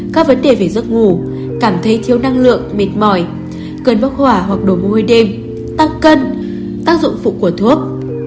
các vấn đề về giấc ngủ cảm thấy thiếu năng lượng mệt mỏi cơn bốc hỏa hoặc đổ môi đêm tăng cân tác dụng phụ của thuốc